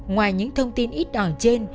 ngoài những thông tin ít đỏ trên